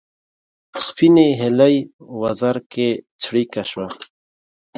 سپینې هیلۍ وزر کې څړیکه شوه